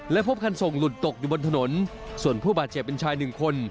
และพบคันส่งหลุดตกอยู่บนถนนส่วนผู้บาดเจ็บเป็นชายหนึ่งคน